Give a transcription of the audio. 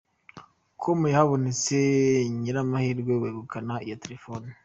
com habonetse nyiramahirwe wegukana iyo telefone.